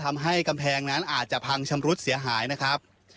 ทำให้กำแพงนั้นอาจจะพังชำรุดเสียหายนะครับ